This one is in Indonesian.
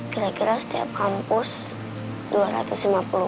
kira kira setiap kampus dua ratus lima puluh an lah pak